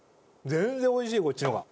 全然おいしいこっちの方が。